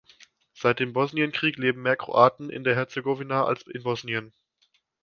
Seit dem Bosnienkrieg leben mehr Kroaten in der Herzegowina als in Bosnien.